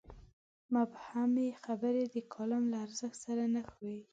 مبهمې خبرې د کالم له ارزښت سره نه ښايي.